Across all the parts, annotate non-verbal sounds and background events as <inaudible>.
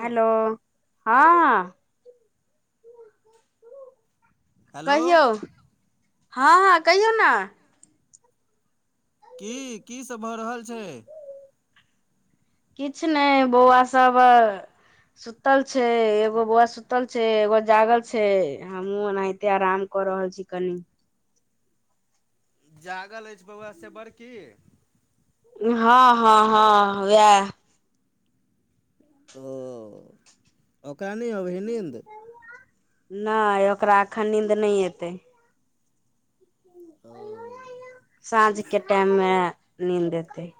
Hello हँ hello कहियौ हँ हँ कहियौ ने की की सब भऽ रहल छय किछ नहि बौआ सब सुतल छै एगो बौआ सुतल छै एगो जागल छै हमहुँ ओनाहिते आराम कऽ रहल छी कनी जागल अछि बौआ से बड़की हँ हँ हँ उएह ओ ओकरा नय अबेहइ निन्द नय ओकरा एखन निन्द नय एतै ओ साँझके टाइम में निन्द एतैइ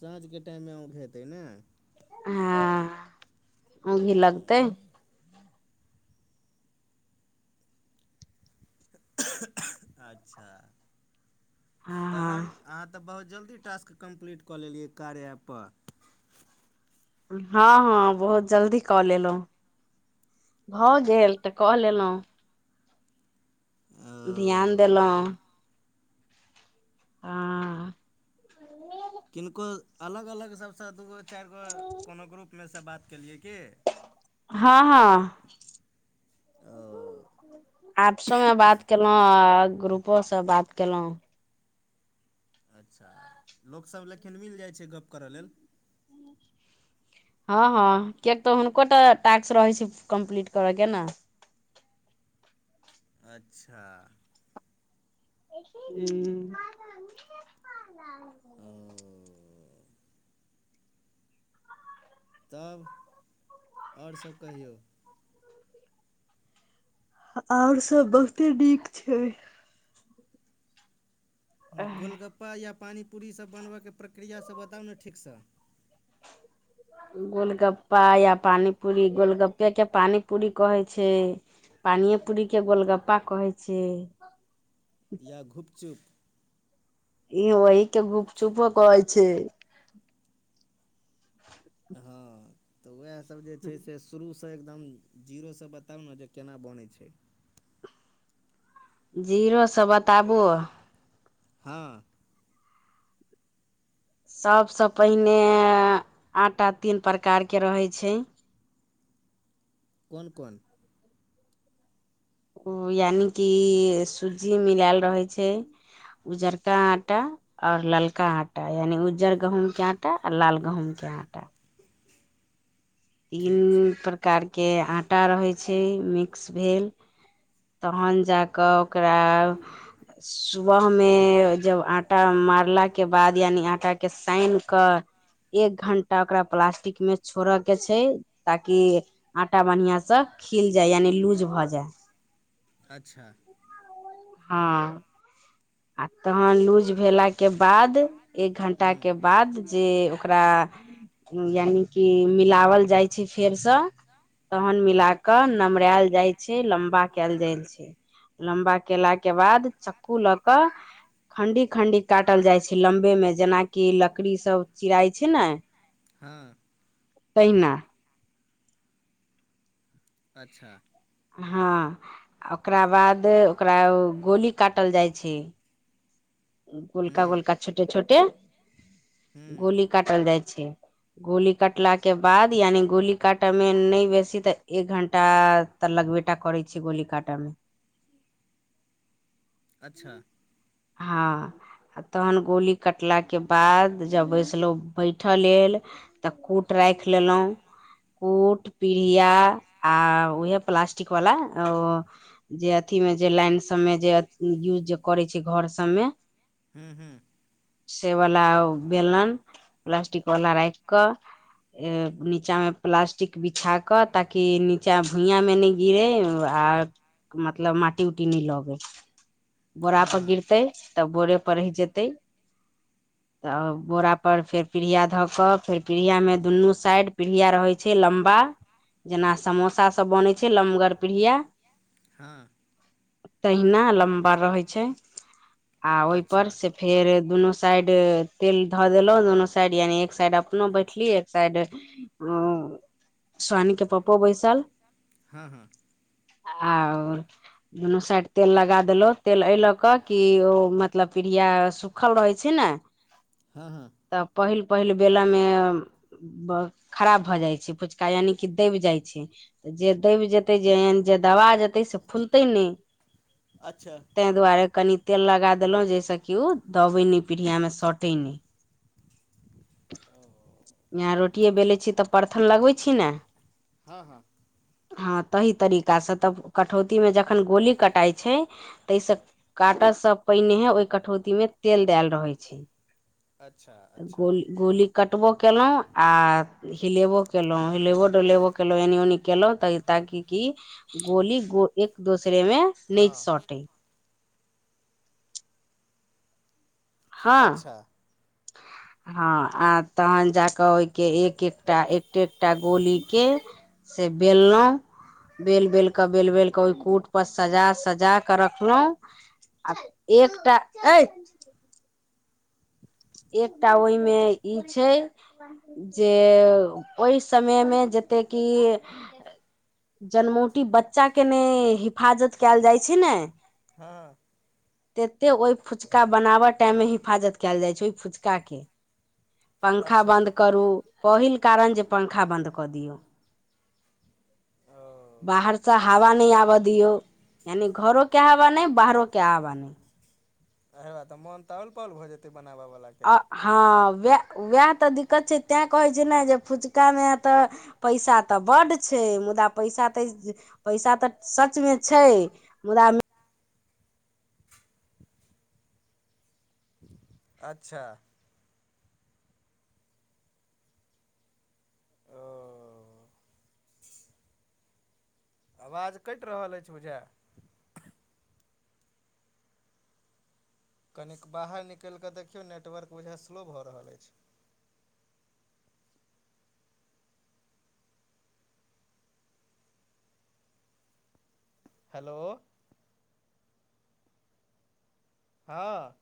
साँझके टाइम में अउंघेतइ ने हँ ओंघि लगतै अच्छा हँ हँ तहन अहाँ तऽ बहुत जल्दी टास्क कम्प्लीट कऽ लेलियै कार्य ऐप प हँ हँ बहुत जल्दी कऽ लेलहुँ भऽ गेल तऽ क लेलहुँ ध्यान ओ देलहुँ आ किनको अलग अलग सभसँ दूगो चाइर गो कोनो ग्रुपमेसँ बात केलियै की हँ हँ ओ आप्सो में बात केलहुं आ ग्रुपो से बात केलहु अच्छा लोकसभ लेकिन मिल जाइ छय गप्प करऽ लेल हँ हँ किएक तऽ हुनको टा टास्क रहै छय कम्प्लीट करैके ने अच्छा हूं <inaudible> ओ तब आओर सब कहियौ आओर सब बहुते नीक छै हूं गोलगप्पा या पानीपूरीसभ बनबयके प्रक्रियासभ बताउ न ठीकसँ <inaudible> गोलगप्पा या पानी पूरी गोलगप्पे के पानी पूरी कहै छै पानिये पूरीके गोलगप्पा कहै छै या घुपचुप ई ओहि के गुपचुपो कहै छै हँ तऽ उएहसभ जे छै से शुरूसँ एकदम जीरोसँ बताउ न जे केना बनै छै जीरोसँ बताबु हँ सबसँ पहिने आटा तीन प्रकारके रहै छै कोन कोन ओ यानिकि सुजी मिलायल रहै छै उजरका आटा आओर ललका आटा आय एनि उज्जर गहूँमके आटा आ लाल गहूँमके आटा तीन ठीक छै प्रकारके आटा रहै छै मिक्स भेल तहन जा कऽ ओकरा सुबह मे जब आटा मारलक के बाद यानि आटा के साइन कऽ एक घंटा ओकरा प्लास्टिक में छोड़य के छै ताकि आटा बढ़िया सं खिल जाय यानि लूज भऽ जाय अच्छा हँ आ तहन लूज भेला के बाद एक घंटा हूँ के बाद जे ओकरा यानिकि मिलाओल जाय छै फेरसँ तहन मिला क नमरायल जाय छै लम्बा क‌एल जाय छै लम्बा केला के बाद चक्कू लऽ कऽ खण्डी खण्डी काटल जाइ छैय लम्बेमे जेनाकि लकड़ी सब चिराइ छै न हँ तहिना अच्छा हँ ओकरा बाद ओकरा गोली काटल जाइ छैय गोलका हूँ गोलका छोटे छोटे हूँ गोली काटल जाइ छैय गोली कटलाके बाद यानि गोली काटयमे नहि बेसी तऽ एक घण्टा तऽ लगबेटा करे छैय गोली काटऽ मे अच्छा हँ आ तहन गोली कटलाके बाद जब बैसलौ बैठय लेल तऽ कूट राखि लेलौ कूट पीढ़िया आ उहे प्लास्टिक वाला ओ जे अथी मे जे लाइन सबमे जे यूज जे करै छै घर सबमे हूँ हूँ से बला बेलन प्लास्टिक वला राख कऽ नीचा में प्लास्टिक बिछा के ताकि नीचा भुइया में नैय गिरे आ मतलब माटी उटी नय लगै हँ हँ पगीरतै तब बोरे पर रहि जेते तऽ बोरा पर फेर पीढ़िया धऽ क फेर पीढ़िया मे दुनू साइड पीढ़िया रहै छय लम्बा जेना समोसासब बनैत छै लमगर पिढिंया हां तहिना लम्बा रहै छय आ अच्छा ओहिपर से फेर दुनू साइड तेल धऽ देलहुँ दुनू साइड यानि एक साइड अपनो बैठली एक साइड ओ स्वानी के पप्पो बैसल हँ हँ आ दुनू साइड तेल लगा देलो तेल ऐलक क कि ओ मतलब प्रीया सुखल रहै छय ने हँ हँ तऽ पहिल पहिल बेला में ब खराब भऽ जाइ छै फुचका यानि कि दैबजाइ छय जे दैब जेतै जे एन जे दवा जेतै तैह से फुलतै नय अच्छा तैय दुआरे कनि तेल लगा देलहुँ जाहिसँ कि ओ दबै नहि पीढ़आ में शतै तीनी यहाँ रोटिए बेलै छी तऽ परथन लगबै छी ने हँ हँ हँ तहि तरीकासँ तब कटौती में जखन गोली कटाइ छै ताहिसँ काटल सब पहिने हे ओहि कटौती में तेल दैल रहै छै अच्छा तऽ अच्छा गोली गोली कटबो केलहुँ आ हिलेबो केलहुँ हिलेबो डुलेबो केलहुँ एनी उनी केलहुँ तऽ ताकि की गोली गो एक दोसरे मे नै हँ सटै अच्छा हँ हँ आ तहन जा कऽ ओहिके एक एकटा एक एकटा गोली के से बेललहुँ बेल बेल क बेल बेल कऽ ओहि कूट पर सजा सजा कऽ रखलहुं आ एकटा अइ एकटा ओहिमे ई छय जे ओहि समयमें जतेक कि जनमोटी बच्चा के ने हिफाजत कयल जाइ छय ने हँ तते ओहि फुचका बनाव टाइम में हिफाजत कयल जाय छय फुचका के पंखा अच्छा बन्द करू पहिल कारण जे पंखा बन्द कऽ दियौ ओ बाहर स हवा न आवा दियो यानि घरो के हवा नै बाहरो के हवा नै हे तऽ मन तऽल पल भऽ जेतै बनाबऽ बला आ हँ वएह उएह तऽ दिक्कत छै तैं कहैत छै ने जे फुचकामे तऽ पैसा तऽ बड़ छै मुदा पैसा तऽ पैसा तऽ सचमे छै मुदा अच्छा। ओ आवाज कैट रहल अइछ बुझए कनिक बाहर निकैल कऽ देखियौ नेटवर्क बुझए स्लो भऽ रहल अइछ हेलो। हँ।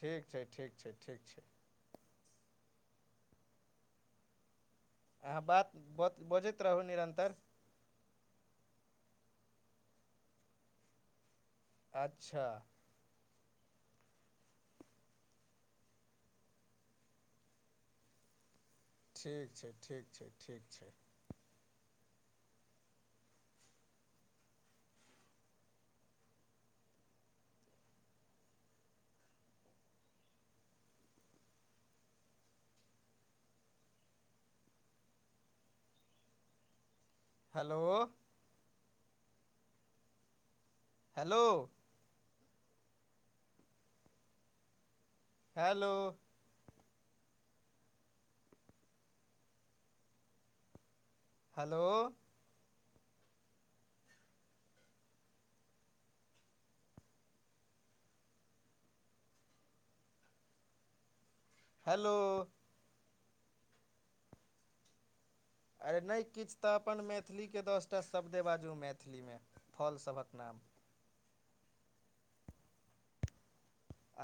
ठीक छै, ठीक छै, ठीक छै। अहाँ बात, बजैत रहू, निरन्तर अच्छा। ठीक छै, ठीक छै, ठीक छै। Hello. Hello. Hello. Hello. Hello. अरे नहि किछु तऽ अपन मैथिली के दसटा शब्द बाजू मैथिलीमे। फलसभकऽ नाम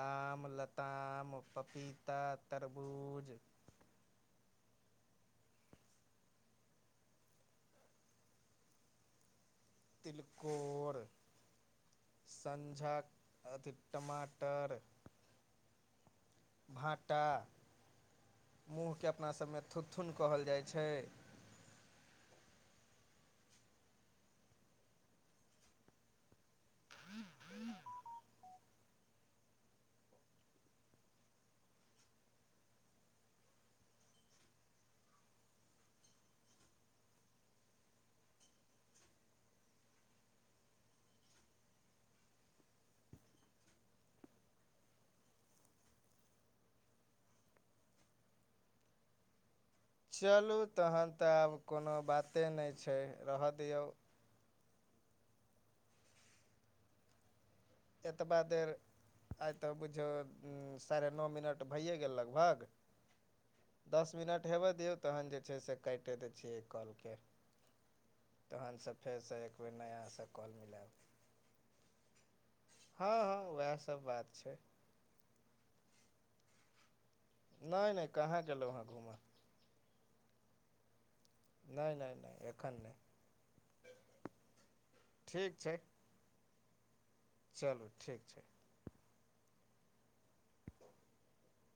आम, लताम, पपीता, तरबूज। तिलकोर सँझा अथि टमाटर भाँटा मुंग अपनासभमे थुथुन कहल जाइ छै। चलू तहन तऽ आब कोनो बाते नहि छै, रहऽ दियौ। एतबा देर आइ तऽ बुझियो साढ़े नओ मिनट भैए गेल लगभग। दस मिनट हेबै दियौ तहन जे छै से काइटए दै छियै एहि कॉल केँ तहनसँ फेरसे एकबेर नयासँ कॉल मिलायब हँ उएह सभ बात छै। नहि नहि कहाँ गेलहुँ ह्म घूमय नहि, नहि, एखन नहि ठीक छै। चलू, ठीक छै। <inaudible>